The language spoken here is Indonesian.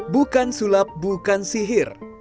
bukan sulap bukan sihir